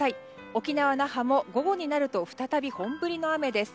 沖縄・那覇も午後になると再び本降りの雨です。